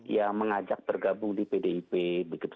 yang mengajak tergabung di pdip begitu